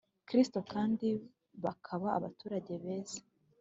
Kristo kand bakaba abaturage beza